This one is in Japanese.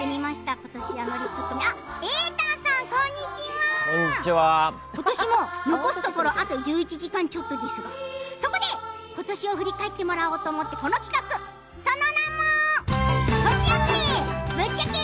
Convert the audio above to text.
ことしも残すところ１１時間ちょっとですが、ことしを振り返ってもらおうと思ってこの企画、その名も「年忘れ！